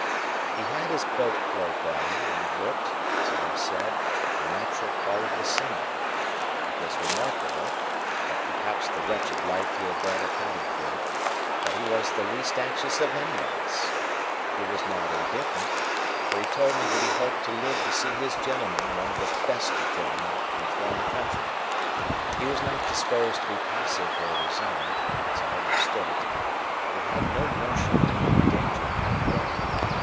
He had his boat cloak on him, and looked, as I have said, a natural part of the scene. It was remarkable (but perhaps the wretched life he had led accounted for it) that he was the least anxious of any of us. He was not indifferent, for he told me that he hoped to live to see his gentleman one of the best of gentlemen in a foreign country; he was not disposed to be passive or resigned, as I understood it; but he had no notion of meeting danger half way.